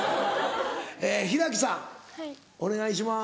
開さんお願いします。